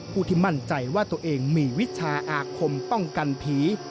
ผู้ที่มั่นใจว่าตัวเองมีวิชาอาคมป้องกันผี